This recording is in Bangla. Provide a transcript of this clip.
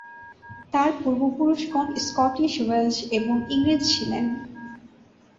তার পূর্বপুরুষগণ স্কটিশ, ওয়েলশ ও ইংরেজ ছিলেন।